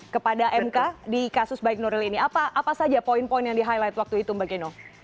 kepada mk di kasus baik nuril ini apa saja poin poin yang di highlight waktu itu mbak geno